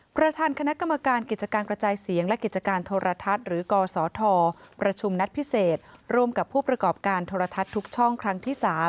ประธานคณะกรรมการกิจการกระจายเสียงและกิจการโทรทัศน์หรือกศธประชุมนัดพิเศษร่วมกับผู้ประกอบการโทรทัศน์ทุกช่องครั้งที่๓